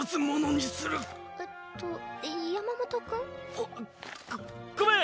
あっごごめん。